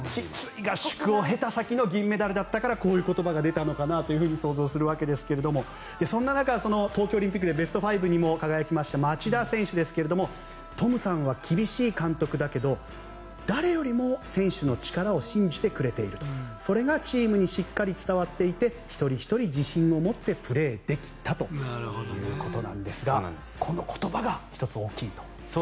きつい合宿を経た先の銀メダルだったからこういう言葉が出たのかなと想像するわけですがその中で東京オリンピックでベストファイブにも輝きました町田選手ですがトムさんは厳しい監督だけど誰よりも選手の力を信じてくれているそれがチームにしっかり伝わっていて一人ひとり自信を持ってプレーできたということなんですがこの言葉が１つ大きいと。